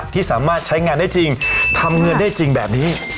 ที่สามารถใช้งานได้จริงทำเงินได้จริงแบบนี้